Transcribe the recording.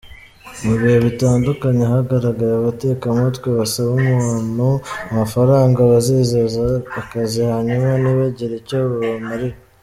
Mu bihe bitandukanye hagaragaye abatekamutwe basaba abantu amafaranga babizeza akazi hanyuma ntibagire icyo babamarira.